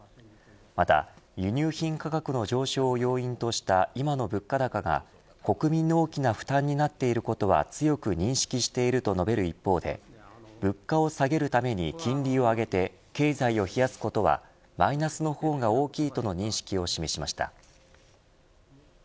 また、輸入品価格の上昇を要因とした今の物価高が国民の大きな負担になっていることは強く認識していると述べる一方で物価を下げるために金利を上げて経済を冷やすことはマイナスの方が大きいとの認識を示しました。